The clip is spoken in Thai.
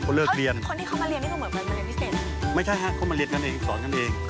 คนที่เข้ามาเรียนนี่ก็เหมือนกันมาเรียนพิเศษนะครับไม่ใช่ค่ะเข้ามาเรียนกันเองสอนกันเอง